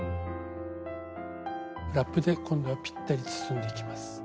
ラップで今度はぴったり包んでいきます。